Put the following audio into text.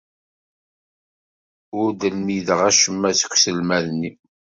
Ur d-lmideɣ acemma seg uselmad-nni.